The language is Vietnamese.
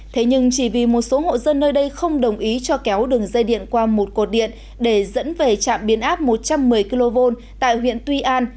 thế nhưng chỉ vì một số hộ dân nơi đây không đồng ý cho kéo đường dây điện qua một cột điện để dẫn về trạm biến áp một trăm một mươi kv tại huyện tuy an